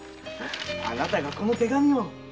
あなたがこの手紙を。